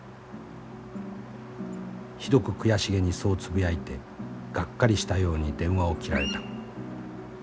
ひどく悔しげにそうつぶやいてがっかりしたように電話を切られた。